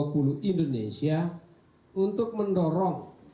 untuk mendorong g dua puluh indonesia untuk mengerjakan perusahaan teknologi rentisan